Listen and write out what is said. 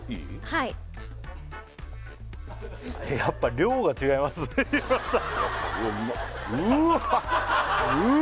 はいやっぱ量が違いますね日村さん